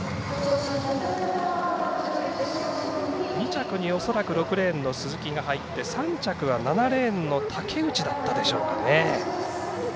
２着に恐らく６レーンの鈴木が入って３着は７レーンの竹内だったでしょうかね。